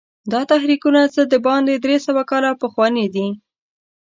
دا تحریکونه څه باندې درې سوه کاله پخواني دي.